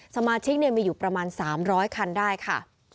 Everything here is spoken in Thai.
สมาชิกมีอยู่ประมาณ๓๐๐คันได้ค่ะ